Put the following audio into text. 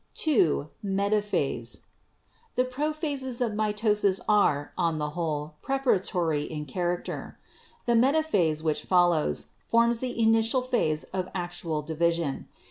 "2. Metaphase. — The prophases of mitosis are, on the whole, preparatory in character. The metaphase, which follows, forms the initial phase of actual division.